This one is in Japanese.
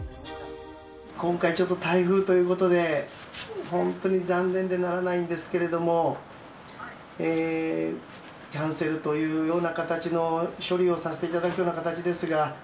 今回、ちょっと台風ということで、本当に残念でならないんですけれども、キャンセルというような形の処理をさせていただくような形ですが。